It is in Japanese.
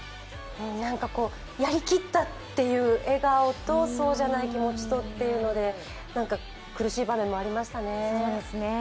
やりきったっていう笑顔と、そうじゃない気持ちとっていうので何か苦しい場面もありましたね